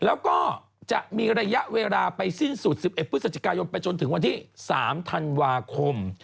แล้วก็จะมีระยะเวลาไปสิ้นสุด๑๑พฤศจิกายนไปจนถึงวันที่๓ธันวาคม